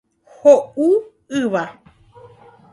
Ho'u yva.